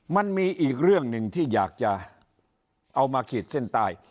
มันมีอีกเรื่องหนึ่งที่อยากจะเอามาขีดเส้นใต้